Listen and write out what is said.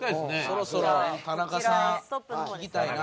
そろそろ田中さん聞きたいな。